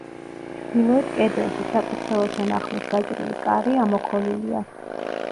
ჩრდილოეთ კედელში, საკურთხეველთან ახლოს გაჭრილი კარი ამოქოლილია.